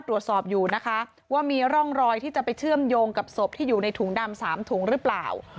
ตรวจสอบอยู่นะคะว่ามีร่องรอยที่จะไปเชื่อมโยงกับศพที่อยู่ในถุงดำ๓ถุงหรือเปล่า